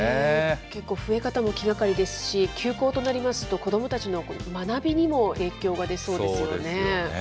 結構増え方も気がかりですし、休校となりますと、子どもたちの学びにも影響が出そうですよね。